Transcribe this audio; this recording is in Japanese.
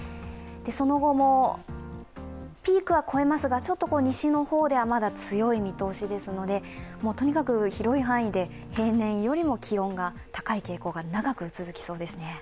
その後もピークは越えますがちょっと西の方では強い見通しですのでとにかく広い範囲で平年よりも気温が高い傾向が長く続きそうですね。